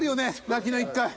泣きの１回。